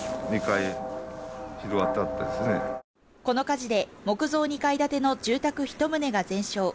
この火事で、木造２階建ての住宅１棟が全焼。